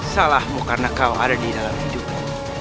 salahmu karena kau ada di dalam hidupmu